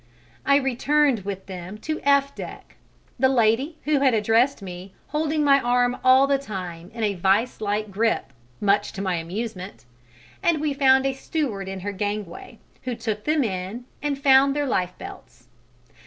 I returned with them to F deck, the lady who had addressed me holding my arm all the time in a vise like grip, much to my amusement, and we found a steward in her gangway who took them in and found their lifebelts.